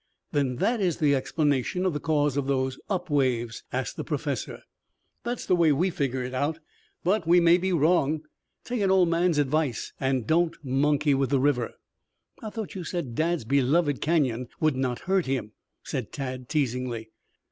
"Then that is the explanation of the cause of those up waves?" asked the Professor. "That's the way we figure it out. But we may be wrong. Take an old man's advice and don't monkey with the river." "I thought you said Dad's beloved Canyon would not hurt him," said Tad teasingly.